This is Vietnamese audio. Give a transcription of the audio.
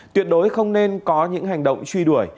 tuyệt đối không nên có những hành động truy đuổi